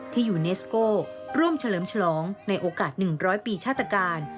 ยูเนสโก้ร่วมเฉลิมฉลองในโอกาส๑๐๐ปีชาตการ